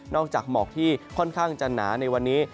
อกจากหมอกที่ค่อนข้างจะหนาในวันนี้